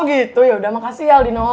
gitu yaudah makasih ya aldino